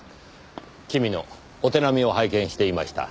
君のお手並みを拝見していました。